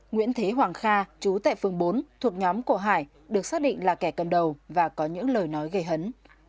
nguyễn thế hoàng kha chú tại phường bốn thuộc nhóm của hải được xác định là kẻ cầm đầu và có những lời nói gây hấn